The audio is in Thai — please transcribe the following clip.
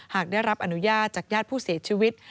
หากได้รับอนุญาตจากญาติผู้เสียชีวิต